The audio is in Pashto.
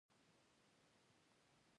هغه ځان ستړی ښود.